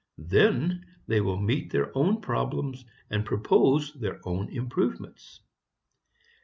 Then they will meet their own problems and propose their own improvements.